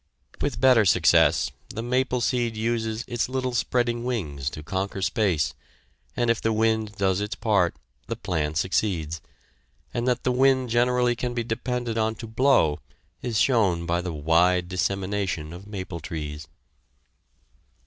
With better success, the maple seed uses its little spreading wings to conquer space, and if the wind does its part the plan succeeds, and that the wind generally can be depended upon to blow is shown by the wide dissemination of maple trees.